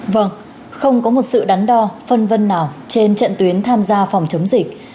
vâng không có một sự đắn đo phân vân nào trên trận tuyến tham gia phòng chống dịch